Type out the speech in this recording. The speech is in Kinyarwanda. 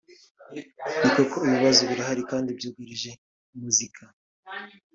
Nikoko ibi bibazo birahari kandi byugarije muzika